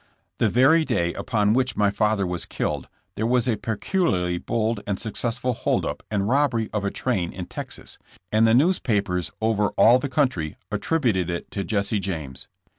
The very day upon which my father was killed there was a peculiarly bold and successful hold up and robbery of a train in Texas, and the newspapers over all the country attributed it to Jesse James.